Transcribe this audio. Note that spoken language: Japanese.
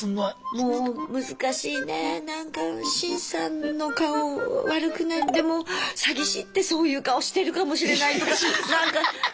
もう難しいねなんかシンさんの顔悪くない詐欺師ってそういう顔してるかもしれないとかなんか。